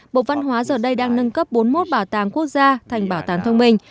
bộ văn hóa giờ đây đang nâng cấp bốn mươi một bảo tàng quốc gia thành bảo tàng thông minh